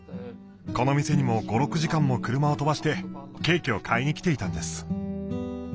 この店にも５６時間も車を飛ばしてケーキを買いに来ていたんです。